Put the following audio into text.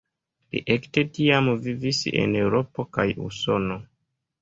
Li ekde tiam vivis en Eŭropo kaj Usono.